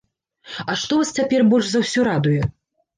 А што вас цяпер больш за ўсё радуе?